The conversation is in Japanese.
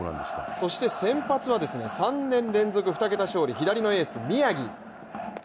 先発は３年連続２桁勝利左のエース・宮城。